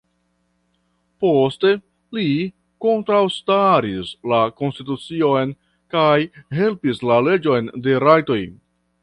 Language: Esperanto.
Poste, li kontraŭstaris la konstitucion kaj helpis la leĝon de rajtoj.